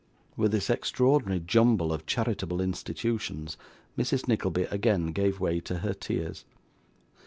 With this extraordinary jumble of charitable institutions, Mrs. Nickleby again gave way to her tears.